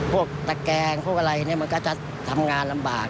ตะแกงพวกอะไรเนี่ยมันก็จะทำงานลำบาก